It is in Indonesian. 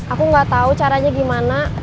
aku gak tau caranya gimana